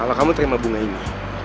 kalau kamu terima bunga ini